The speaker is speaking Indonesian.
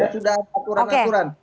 sudah ada aturan aturan